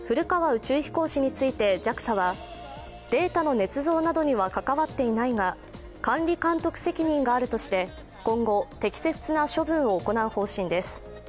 宇宙飛行士についてＪＡＸＡはデータのねつ造などには関わっていないが管理監督責任があるとして今後、適切な処分を行う方針です。